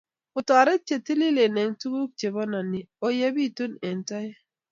Otoret che tililen eng' tuguk che bononi, oiyebitu eng'toek.